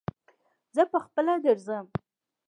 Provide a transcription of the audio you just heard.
زه پهخپله درځم.